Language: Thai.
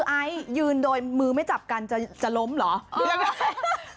ไอซ์ยืนโดยมือไม่จับกันจะล้มเหรอ